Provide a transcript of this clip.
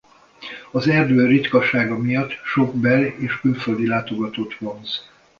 Az erdő ritkasága miatt sok bel- és külföldi látogatót vonz.